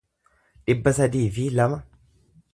dhibba sadii fi lama